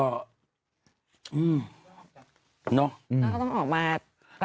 แล้วเขาต้องออกมารับผิดชอบ